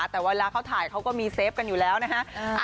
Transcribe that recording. แต่เวลาเขาถ่ายเขาก็มีเซฟกันอยู่แล้วนะฮะ